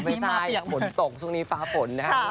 ไม่ใช่ฝนตกช่วงนี้ฟ้าฝนนะครับ